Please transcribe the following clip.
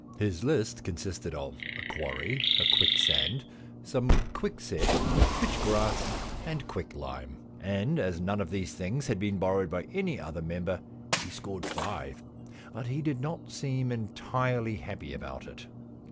His list consisted of a quarry, a quicksand, some quickset, quitch grass, and quick lime. And as none of these things had been borrowed by any other member he scored 210 The Q Loan Problem five. But he did not seem entirely happy about it.